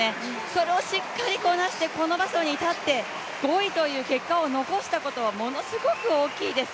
それをしっかりこなしてこの場所に立って、５位という結果を残したことものすごく大きいです。